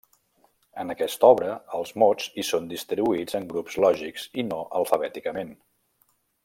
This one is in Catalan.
En aquesta obra els mots hi són distribuïts en grups lògics i no alfabèticament.